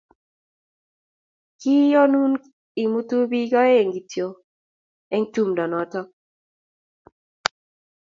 Ki yonun imutu biik oeng' kityo eng' tumdo noto